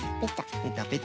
ペタペタ。